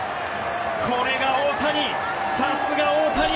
これが大谷、さすが大谷！